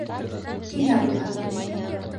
Һиңә булһын!